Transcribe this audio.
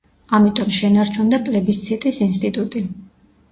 ამიტომ შენარჩუნდა პლებისციტის ინსტიტუტი.